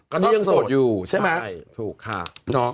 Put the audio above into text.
เขาต้องยิ้มเราว่า